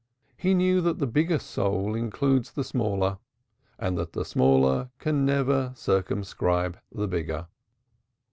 He knew that the bigger soul includes the smaller and that the smaller can never circumscribe the bigger.